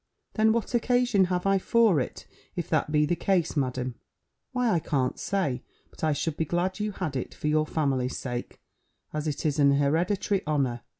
"Then what occasion have I for it, if that be the case, Madam?" "Why, I can't say, but I should be glad you had it, for your family's sake, as it is an hereditary honour.